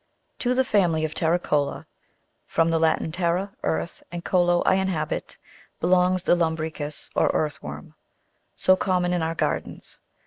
10. To the family of terrico'la (from the Latin, terra, earth, and colo, I inhabit) belongs the lumbricus or earth worm, so com mon in our gardens.